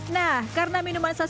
nah karena minuman sasetan ini